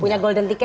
punya golden ticket